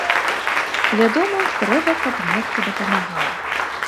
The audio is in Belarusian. Вядома, трэба каб нехта дапамагаў.